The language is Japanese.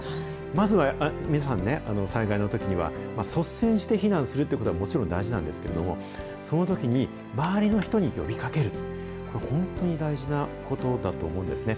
まずは皆さんね、災害のときは、率先して避難するってことはもちろん大事なんですけれども、そのときに周りの人に呼びかける、これ、本当に大事なことだと思うんですね。